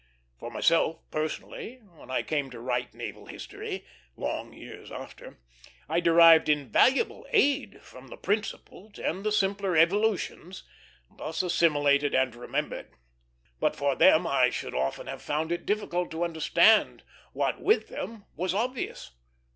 For myself personally, when I came to write naval history, long years after, I derived invaluable aid from the principles and the simpler evolutions, thus assimilated and remembered. But for them I should often have found it difficult to understand what with them was obvious.